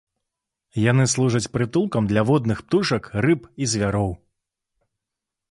Яны служаць прытулкам для водных птушак, рыб і звяроў.